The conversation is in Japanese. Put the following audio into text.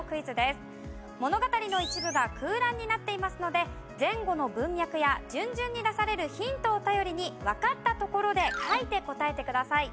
物語の一部が空欄になっていますので前後の文脈や順々に出されるヒントを頼りにわかったところで書いて答えてください。